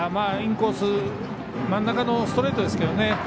インコース真ん中のストレートですけどね。